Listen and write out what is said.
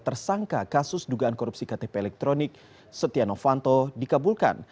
tersangka kasus dugaan korupsi ktp elektronik setia novanto dikabulkan